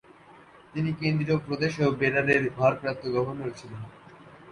তিনি কেন্দ্রীয় প্রদেশ ও বেরারের ভারপ্রাপ্ত গভর্নর ছিলেন।